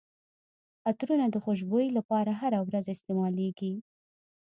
عطرونه د خوشبويي لپاره هره ورځ استعمالیږي.